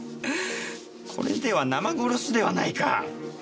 これでは生殺しではないか！